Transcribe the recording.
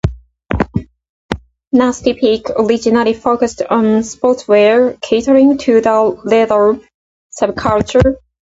Nasty Pig originally focused on sportswear catering to the leather subculture.